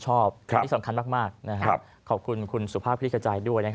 ชอบซักมากนะครับขอบคุณคุณสุภาพพิธีขับใจด้วย